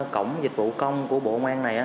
cổng dịch vụ công của bộ công an này